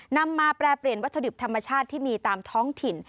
นำมาแปรเปลี่ยนวัตถุดิบธรรมชาติที่มีตามท้องถิ่น